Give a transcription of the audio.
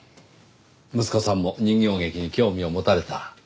息子さんも人形劇に興味を持たれた。